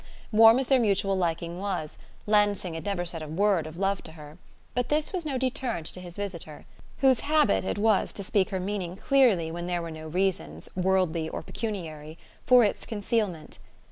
Warm as their mutual liking was, Lansing had never said a word of love to her; but this was no deterrent to his visitor, whose habit it was to speak her meaning clearly when there were no reasons, worldly or pecuniary, for its concealment.